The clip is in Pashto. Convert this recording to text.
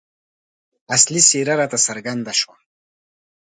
اصلي څېره راته څرګنده شوه.